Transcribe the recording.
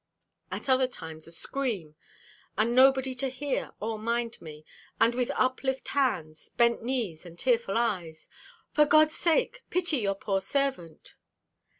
At other times a scream, and nobody to hear or mind me; and with uplift hands, bent knees, and tearful eyes "For God's sake, pity your poor servant."